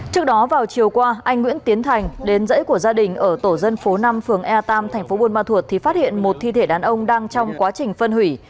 trước đó vào chiều qua anh nguyễn tiến thành đến dãy của gia đình ở tổ dân phố năm phường e tam thành phố buôn ma thuột thì phát hiện một thi thể đàn ông đang trong quá trình phân hủy